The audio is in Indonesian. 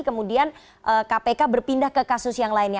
kemudian kpk berpindah ke kasus yang lainnya